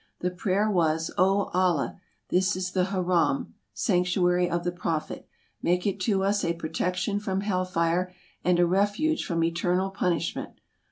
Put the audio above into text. The prayer was, '' O Allah ! this is the Haram (sanctuary) of the Prophet; make it to us a protection from hell fire, and a refuge from eternal punishment